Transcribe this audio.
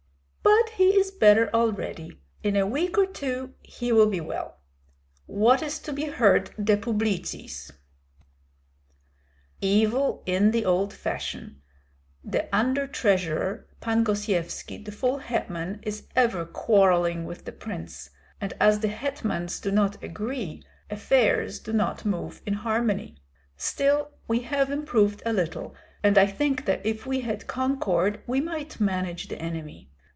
"But he is better already. In a week or two he will be well. What is to be heard de publicis?" "Evil in the old fashion. The under treasurer, Pan Gosyevski, the full hetman, is ever quarrelling with the prince; and as the hetmans do not agree, affairs do not move in harmony. Still we have improved a little, and I think that if we had concord we might manage the enemy.